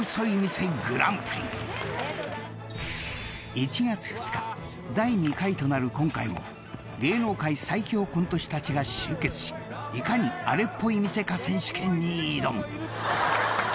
［１月２日第２回となる今回も芸能界最強コント師たちが集結しいかにあれっぽい店か選手権に挑む］